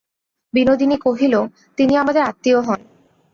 বিনোদিনী কহিল, তিনি আমাদের আত্মীয় হন।